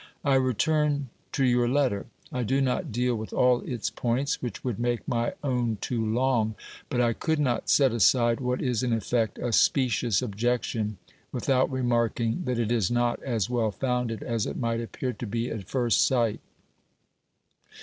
I return to your letter. I do not deal with all its points, which would make my own too long, but I could not set aside what is, in effect, a specious objection without remarking that it is not as well founded as it might appear to be at first sight.